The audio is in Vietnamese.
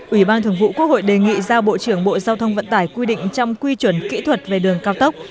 ủy ban thường vụ quốc hội đề nghị giao bộ trưởng bộ giao thông vận tải quy định trong quy chuẩn kỹ thuật về đường cao tốc